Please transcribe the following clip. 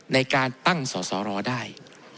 ในการตั้งสอสอรอได้